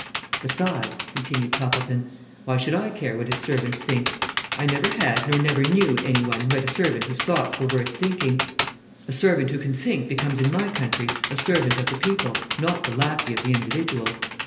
Besides," continued Toppleton, "why should I care what his servants think? I never had nor ever knew any one who had a servant whose thoughts were worth thinking. A servant who can think becomes in my country a servant of the people, not the lackey of the individual.